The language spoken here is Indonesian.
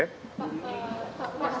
pak pak pak